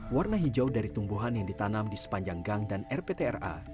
warna hijau dari tumbuhan yang ditanam di sepanjang gang dan rptra